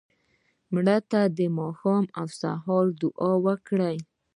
مړه ته د ماښام او سهار دعا وکړه